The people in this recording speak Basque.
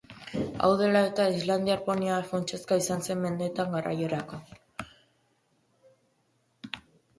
Hau dela eta, islandiar ponia funtsezkoa izan zen mendetan garraiorako.